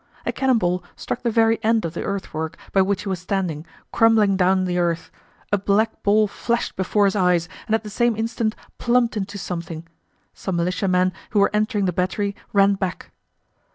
A cannon ball struck the very end of the earth work by which he was standing, crumbling down the earth; a black ball flashed before his eyes and at the same instant plumped into something. Some militiamen who were entering the battery ran back.